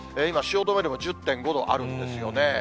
今、汐留でも１０．５度あるんですよね。